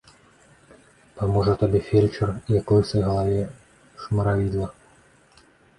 Паможа табе фельчар, як лысай галаве шмаравідла.